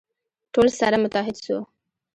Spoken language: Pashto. ټول سره متحد سو.